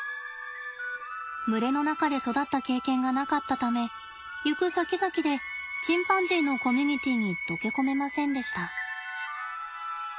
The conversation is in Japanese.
群れの中で育った経験がなかったため行くさきざきでチンパンジーのコミュニティーに溶け込めませんでした。